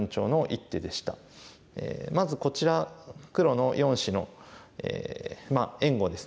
まずこちら黒の４子の援護ですね。